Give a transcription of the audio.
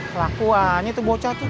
kelakuannya tuh bocah tuh